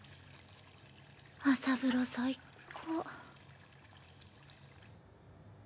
朝風呂最高。